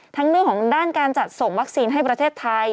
เรื่องของด้านการจัดส่งวัคซีนให้ประเทศไทย